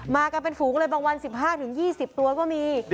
มากันเป็นฝูงเลยบางวัน๑๕๒๐ตัวก็มี